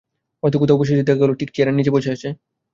হয়তো কোথাও বসেছি, দেখা গেল ঠিক আমার চেয়ারের নিচে সে বসে আছে।